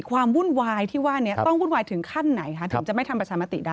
วุ่นวายที่ว่านี้ต้องวุ่นวายถึงขั้นไหนคะถึงจะไม่ทำประชามติได้